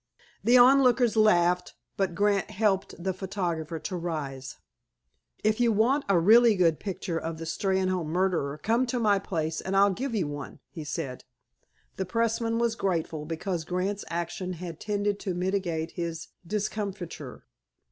The onlookers laughed, but Grant helped the photographer to rise. "If you want a really good picture of the Steynholme murderer, come to my place, and I'll give you one," he said. The pressman was grateful, because Grant's action had tended to mitigate his discomfiture.